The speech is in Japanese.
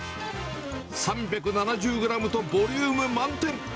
３７０グラムとボリューム満点。